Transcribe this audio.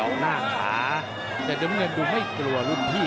รุ่งเก่านะมาดูแสงกระหนุงรายนี้กับต่อสีราชัย